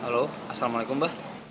halo assalamualaikum mbah